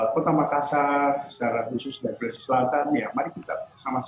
kota makassar secara khusus dan sulawesi selatan ya mari kita bersama sama